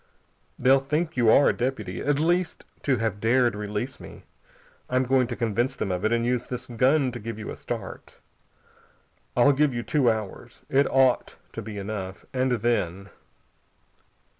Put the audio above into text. They'll think you are a deputy, at least, to have dared release me. I'm going to convince them of it, and use this gun to give you a start. I give you two hours. It ought to be enough. And then...."